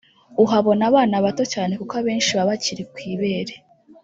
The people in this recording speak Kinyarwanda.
uhabona abana bato cyane kuko abenshi baba bakiri ku ibere